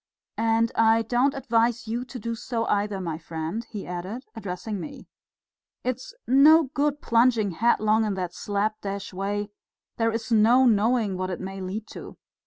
"And I don't advise you to do so either, my friend," he added, addressing me. "It's no good plunging headlong in that slap dash way; there's no knowing what it may lead to.